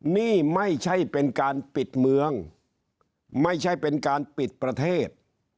นี่ไม่ใช่เป็นการปิดเมืองไม่ใช่เป็นการปิดประเทศ